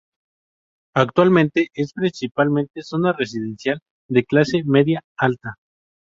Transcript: Actualmente es principalmente zona residencial de clase media-alta.